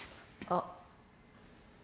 あっ。